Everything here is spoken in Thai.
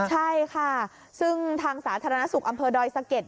ใช่ค่ะซึ่งทางสาธารณสุขอำเภอดอยสะเก็ด